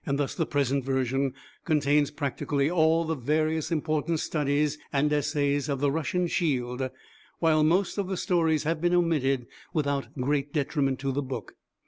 Thus, the present version contains practically all the various important studies and essays of the Russian Shield, while most of the stories have been omitted, without great detriment to the book.